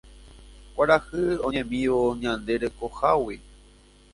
Kuarahy oñemívo ñande rekohágui